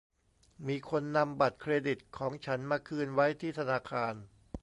มีคนนำบัตรเครดิตของฉันมาคืนไว้ที่ธนาคาร